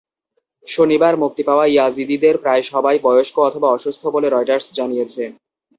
শনিবার মুক্তি পাওয়া ইয়াজিদিদের প্রায় সবাই বয়স্ক অথবা অসুস্থ বলে রয়টার্স জানিয়েছে।